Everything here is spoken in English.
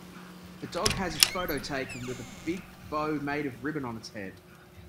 A dog has its photo taken with a big bow made of ribbon on its head.